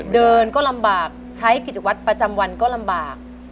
เดินก็ลำบากใช้กิจวัตรประจำวันก็ลำบาก